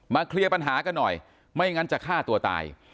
เคลียร์ปัญหากันหน่อยไม่งั้นจะฆ่าตัวตาย